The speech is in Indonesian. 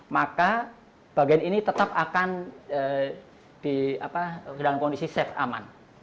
maka bagian ini tetap akan dalam kondisi safe aman